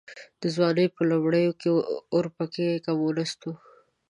د ځوانۍ په لومړيو کې اورپکی کمونيسټ و.